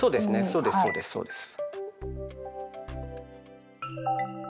そうですそうですそうです。